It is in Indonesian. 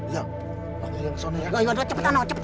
ya panggil yang sana ya